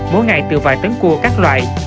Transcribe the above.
mỗi ngày từ vài tấn cua các loại